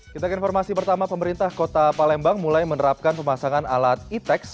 kita ke informasi pertama pemerintah kota palembang mulai menerapkan pemasangan alat etex